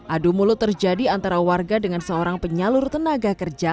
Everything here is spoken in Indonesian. adu mulut terjadi antara warga dengan seorang penyalur tenaga kerja